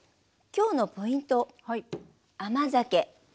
きょうのポイント甘酒。